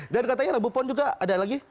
dan katanya rabu pon juga ada lagi